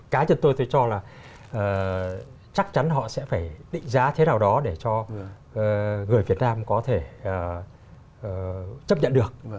cá nhân tôi tôi cho là chắc chắn họ sẽ phải định giá thế nào đó để cho người việt nam có thể chấp nhận được